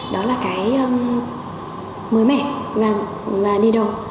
đó là cái mới mẻ và đi đầu